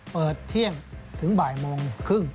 เปิดเที่ยงถึงบ่ายโมงครึ่ง